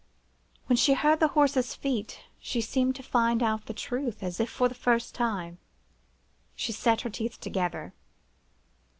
When she heard the horses' feet, she seemed to find out the truth, as if for the first time. She set her teeth together.